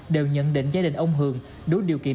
đều nhận định gia đình ông hường đủ điều kiện